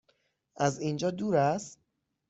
از اینجا دور است؟